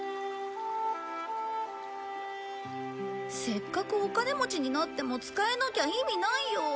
せっかくお金持ちになっても使えなきゃ意味ないよ。